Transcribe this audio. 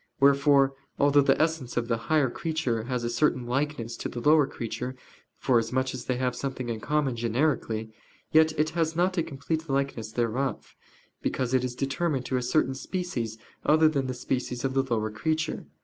Wherefore although the essence of the higher creature has a certain likeness to the lower creature, forasmuch as they have something in common generically, yet it has not a complete likeness thereof, because it is determined to a certain species other than the species of the lower creature.